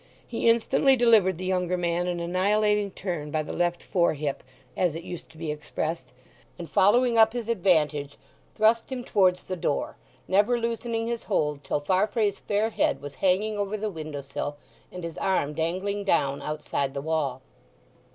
He instantly delivered the younger man an annihilating turn by the left fore hip, as it used to be expressed, and following up his advantage thrust him towards the door, never loosening his hold till Farfrae's fair head was hanging over the window sill, and his arm dangling down outside the wall.